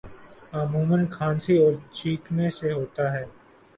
عموماً کھانسی اور چھینکنے سے ہوتا ہے